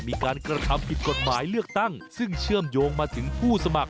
มีการกระทำผิดกฎหมายเลือกตั้งซึ่งเชื่อมโยงมาถึงผู้สมัคร